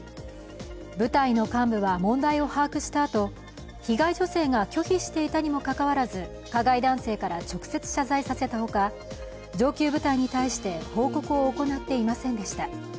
部隊の幹部は問題を把握したあと被害女性が拒否していたにもかかわらず加害男性から直接謝罪させたほか上級部隊に対して報告を行っていませんでした。